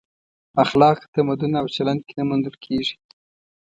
اخلاق تمدن او چلن کې نه موندل کېږي.